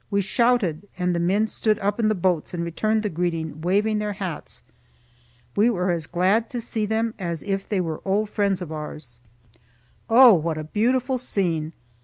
We shouted, and the men stood up in the boats and returned the greeting, waving their hats. We were as glad to see them as if they were old friends of ours. Oh, what a beautiful scene!